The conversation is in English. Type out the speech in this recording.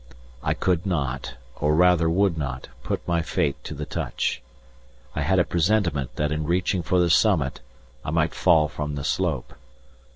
I could not, or rather would not, put my fate to the touch. I had a presentiment that in reaching for the summit I might fall from the slope.